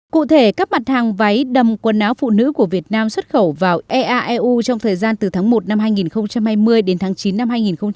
cụ thể các mặt hàng váy đầm quần áo phụ nữ của việt nam xuất khẩu vào eaeu trong thời gian từ tháng một năm hai nghìn hai mươi đến tháng chín năm hai nghìn hai mươi